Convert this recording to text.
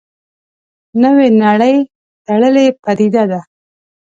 نوې نړۍ تړلې پدیده ده.